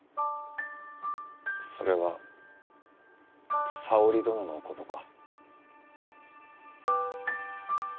それは沙織殿のことか？